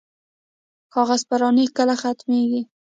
کاغذ پراني کله ختمیږي؟